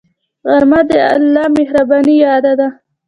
غرمه د الله مهربانۍ یاد ده